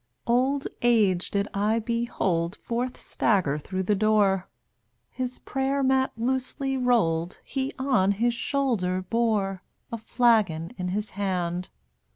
1 66 Old Age did I behold Forth stagger through the door; His prayer mat loosely rolled He on his shoulder bore, A flagon in his hand.